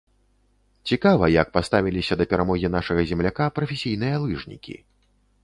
Цікава, як паставіліся да перамогі нашага земляка прафесійныя лыжнікі?